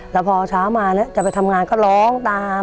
แล้วพอเช้ามาจะไปทำงานก็ร้องตาม